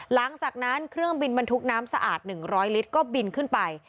หลังจากนั้นเครื่องบินบรรทุกน้ำสะอาด๑๐๐ลิตรก็บินขึ้นไป